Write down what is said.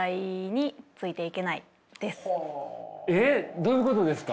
えどういうことですか？